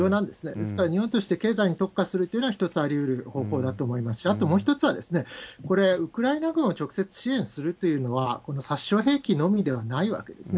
ですから日本として経済に特化するというのは、一つありうる方法だと思いますし、あともう一つは、これ、ウクライナ軍を直接支援するっていうのは、この殺傷兵器のみではないわけですね。